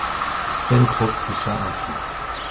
Pencroff poussa un cri.